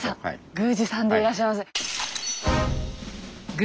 宮司さんでいらっしゃいます。